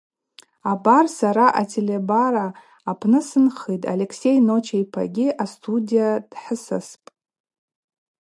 Абар сара ателебара апны сынхитӏ, Алексей Ноча йпагьи астудия дхӏысаспӏ.